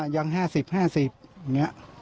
อย่าง๕๐๕๐อย่างเนี้ย